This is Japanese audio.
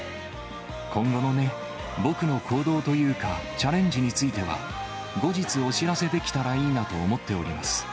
今後のね、僕の行動というか、チャレンジについては、後日お知らせできたらいいなと思っております。